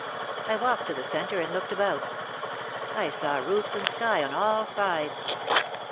,, I walked to the centre and looked about. I saw roofs and sky on all sides.